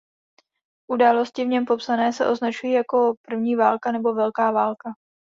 Události v něm popsané se označují jako "První Válka" nebo "Velká Válka".